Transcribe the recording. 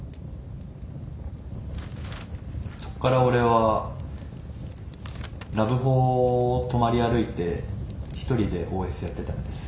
そっから俺はラブホを泊まり歩いて一人でＯＳやってたんです。